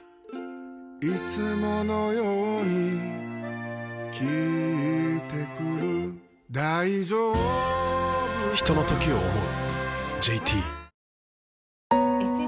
いつものように聞いてくる大丈夫か嗚呼ひとのときを、想う。